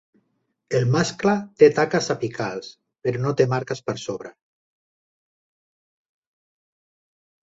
El mascle té taques apicals, però no té marques per sobre.